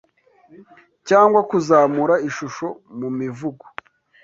cyangwa kuzamura ishusho mu mivugo